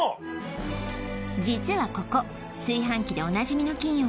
実はここ炊飯器でおなじみの企業